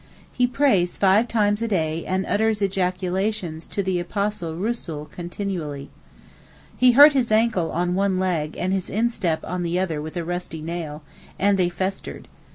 He prays five times a day and utters ejaculations to the apostle Rusool continually. He hurt his ankle on one leg and his instep on the other with a rusty nail, and they festered.